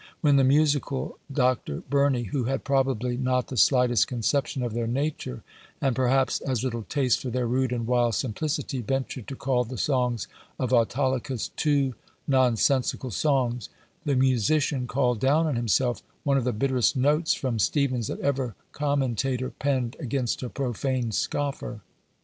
When the musical Dr. Burney, who had probably not the slightest conception of their nature, and perhaps as little taste for their rude and wild simplicity, ventured to call the songs of Autolycus, "two nonsensical songs," the musician called down on himself one of the bitterest notes from Steevens that ever commentator penned against a profane scoffer.